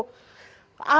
apa perasaan anda